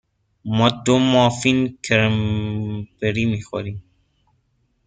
ما دو مافین کرنبری می خوریم.